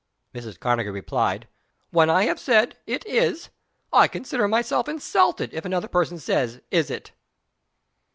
Mrs. Karnegie replied, "When I have said, It is, I consider myself insulted if another person says, Is it?"